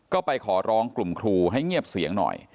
ก็ไปขอร้องกลุ่มครูให้เงียบเสียงหน่อย